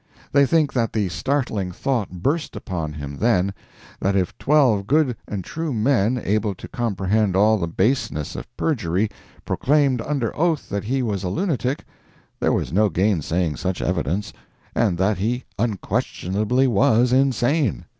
They think that the startling thought burst upon him then, that if twelve good and true men, able to comprehend all the baseness of perjury, proclaimed under oath that he was a lunatic, there was no gainsaying such evidence and that he UNQUESTIONABLY WAS INSANE!